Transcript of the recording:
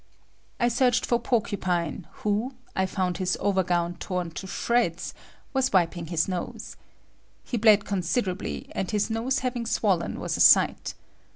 I searched for Porcupine who, I found his overgown torn to shreds, was wiping his nose. He bled considerably, and his nose having swollen was a sight.